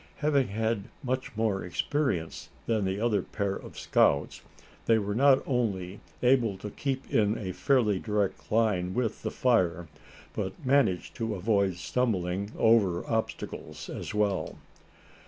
Having had much more experience than the other pair of scouts they were not only able to keep in a fairly direct line with the fire, but managed to avoid stumbling over obstacles as well.